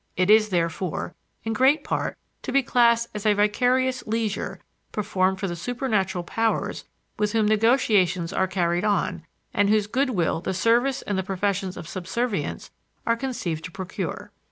It is, therefore, in great part, to be classed as a vicarious leisure performed for the supernatural powers with whom negotiations are carried on and whose good will the service and the professions of subservience are conceived to procure.